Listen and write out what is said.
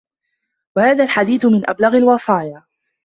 وَهَذَا الْحَدِيثُ مِنْ أَبْلَغِ الْوَصَايَا